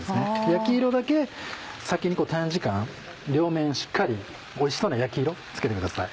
焼き色だけ先に短時間両面しっかりおいしそうな焼き色つけてください。